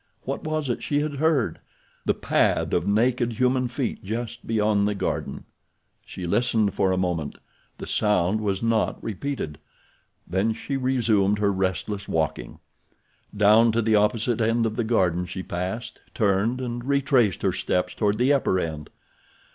What was it she had heard? The pad of naked human feet just beyond the garden. She listened for a moment. The sound was not repeated. Then she resumed her restless walking. Down to the opposite end of the garden she passed, turned and retraced her steps toward the upper end.